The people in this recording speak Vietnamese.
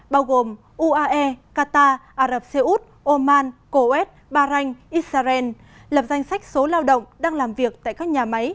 bao gồm uae qatar ả rập xê út oman coet bahrain israel lập danh sách số lao động đang làm việc tại các nhà máy